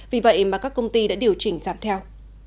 vì vậy mà các công ty đã điều chỉnh giảm theo